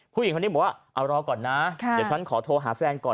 ผู้หญิงคนนี้บอกว่าเอารอก่อนนะเดี๋ยวฉันขอโทรหาแฟนก่อน